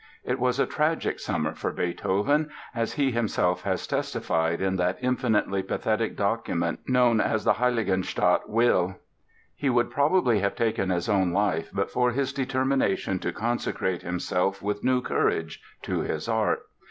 It was a tragic summer for Beethoven, as he himself has testified in that infinitely pathetic document known as the "Heiligenstadt Will." He would probably have taken his own life but for his determination to consecrate himself with new courage to his art.